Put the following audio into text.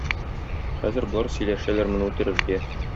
Хәзер болар сөйләшәләр моны үтерергә.